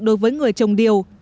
đối với người trồng điều